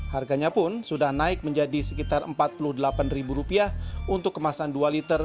harganya pun sudah naik menjadi sekitar rp empat puluh delapan untuk kemasan dua liter